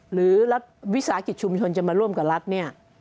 หรือรัฐวิสาหกิจชุมชนจะมาร่วมกับรัฐเนี่ย